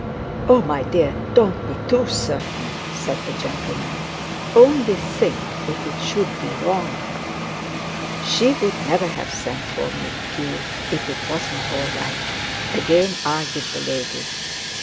'Oh! My dear, don't be too certain,' said the gentleman. 'Only think if it should be wrong.' 'She'd never have sent for me, Q., if it wasn't all right,' again argued the lady.